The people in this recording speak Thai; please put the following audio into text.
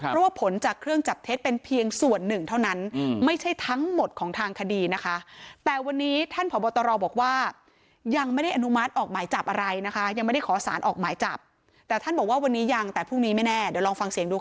เพราะว่าผลจากเครื่องจับเท็จเป็นเพียงส่วนหนึ่งเท่านั้นไม่ใช่ทั้งหมดของทางคดีนะคะแต่วันนี้ท่านผอบตรบอกว่ายังไม่ได้อนุมัติออกหมายจับอะไรนะคะยังไม่ได้ขอสารออกหมายจับแต่ท่านบอกว่าวันนี้ยังแต่พรุ่งนี้ไม่แน่เดี๋ยวลองฟังเสียงดูค่ะ